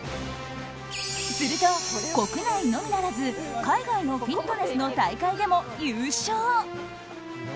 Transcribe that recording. すると、国内のみならず海外のフィットネスの大会でも優勝。